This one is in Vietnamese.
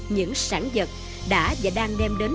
những sản vật đã và đang đem đến